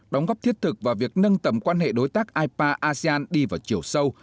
đóng góp thiết thực vào việc nâng tầm quan hệ đối tác ipa asean đi vào chiều sâu